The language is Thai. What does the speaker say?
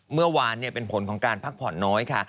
เมื่อวานเป็นผลของการพักผ่อนน้อยค่ะ